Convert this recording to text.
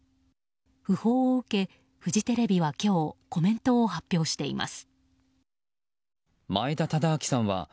訃報を受けフジテレビは今日コメントを発表しています。